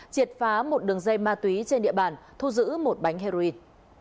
triệt phá một đường dây ma túy trên địa bàn thu giữ một bánh heroin